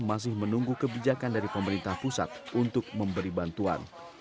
masih menunggu kebijakan dari pemerintah pusat untuk memberi bantuan